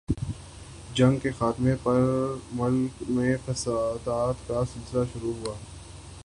جنگ کے خاتمہ پر ملک میں فسادات کا سلسلہ شروع ہوا۔